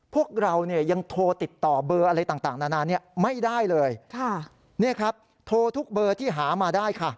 พวกเราเนี่ยยังโทรติดต่อเบอร์อะไรต่างนานาเนี่ยไม่ได้เลยค่ะเนี่ยครับโทรทุกเบอร์ที่หามาได้ค่ะ